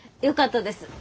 よかったです。